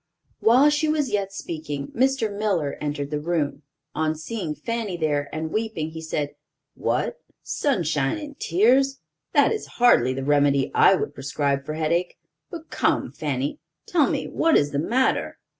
While she was yet speaking, Mr. Miller entered the room. On seeing Fanny there, and weeping, he said: "What, Sunshine in tears? That is hardly the remedy I would prescribe for headache. But come, Fanny, tell me what is the matter."